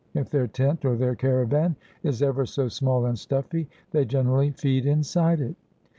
If their tent or their caravan is ever so small and stuffy they generally feed inside it.'